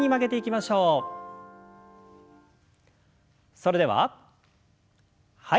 それでははい。